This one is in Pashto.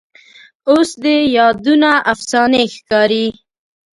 اوس دې یادونه افسانې ښکاري